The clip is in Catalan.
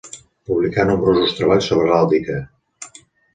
Publicà nombrosos treballs sobre heràldica.